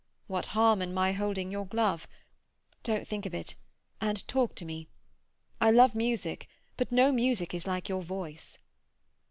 "What harm in my holding your glove? Don't think of it, and talk to me. I love music, but no music is like your voice."